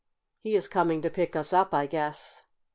He is coming to pick us up, I guess."